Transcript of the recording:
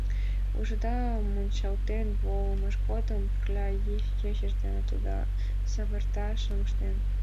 — Ужыда, мунчалтен волымыж годым пурла ечыж дене тудо тура савыртышым ыштен.